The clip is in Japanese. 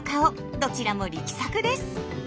どちらも力作です。